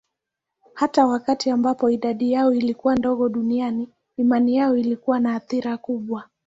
Hata wakati ambapo idadi yao ilikuwa ndogo duniani, imani yao ilikuwa na athira kubwa.